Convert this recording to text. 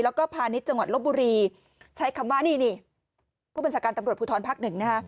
แล้วก็พาณิชย์จังหวัดลบบุรีใช้คำว่านี่นี่ผู้บัญชาการตำรวจภูทรภักดิ์หนึ่งนะฮะ